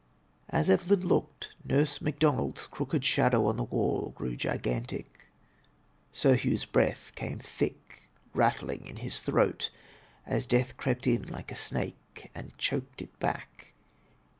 As £vel3m looked, Nurse Macdonald's crooked shadow on the wall grew gigantic. Sir Hugh's breath came thick, rattling in his throat, as death crept in like a snake and choked it back.